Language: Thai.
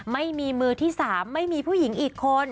ไม่มีมือที่๓ไม่มีผู้หญิงอีกคน